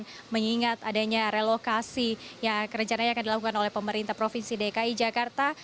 saya ingin mengingat adanya relokasi rencana yang akan dilakukan oleh pemerintah provinsi dki jakarta